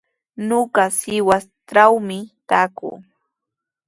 Ñuqa Sihuastrawmi taakuu.